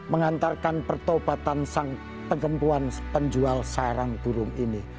mengantarkan pertobatan sang pengempuan penjual sarang burung ini